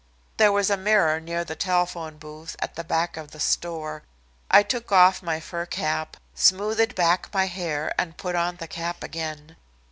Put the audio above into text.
There was a mirror near the telephone booth at the back of the store. I took off my fur cap, smoothed back my hair and put on the cap again.